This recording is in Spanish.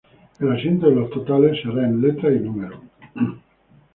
El asiento de los totales se hará en letras y números.